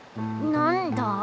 なんだ？